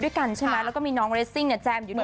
ด้วยกันใช่ไหมแล้วก็มีน้องเรสซิ่งเนี่ยแจมอยู่เนี่ย